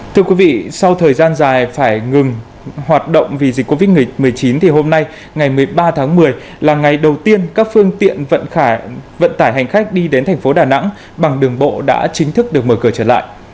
thưa quý vị sau thời gian dài phải ngừng hoạt động vì dịch covid một mươi chín thì hôm nay ngày một mươi ba tháng một mươi là ngày đầu tiên các phương tiện vận tải hành khách đi đến thành phố đà nẵng bằng đường bộ đã chính thức được mở cửa trở lại